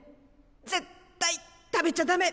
絶対食べちゃダメ！